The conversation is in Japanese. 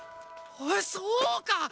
あっそうか！